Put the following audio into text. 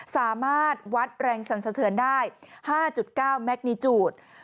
สามารถวัดแรงสันสะเทือนได้๕๙แมกนิจูตร